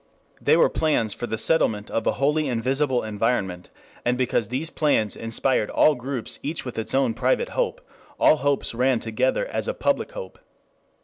They were plans for the settlement of a wholly invisible environment, and because these plans inspired all groups each with its own private hope, all hopes ran together as a public hope.